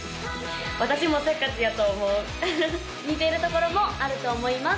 私もせっかちやと思う似てるところもあると思います